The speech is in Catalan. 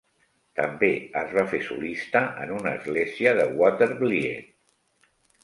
També es va fer solista en una església de Watervliet.